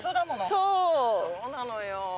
そうなのよ。